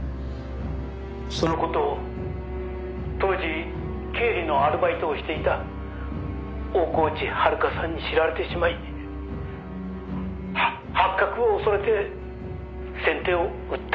「その事を当時経理のアルバイトをしていた大河内遥さんに知られてしまいは発覚を恐れて先手を打ったんです」